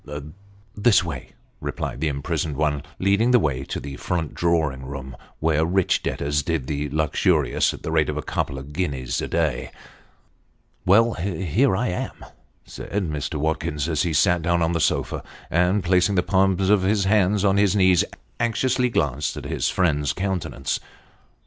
" This way," replied the imprisoned one, leading the way to the front drawing room, where rich debtors did the luxurious at the rate of a couple of guineas a day. " Well, here I am," said Mr. Watkins, as he sat down on the sofa ; and placing the palms of his hands on his knees, anxiously glanced at his friend's countenance.